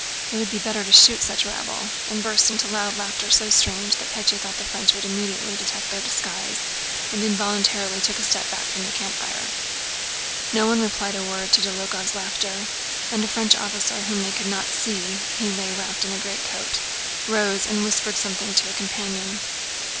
It would be better to shoot such rabble," and burst into loud laughter, so strange that Pétya thought the French would immediately detect their disguise, and involuntarily took a step back from the campfire. No one replied a word to Dólokhov's laughter, and a French officer whom they could not see (he lay wrapped in a greatcoat) rose and whispered something to a companion.